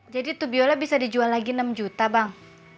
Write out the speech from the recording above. jadi tubiola bisa dijual lagi enam juta bang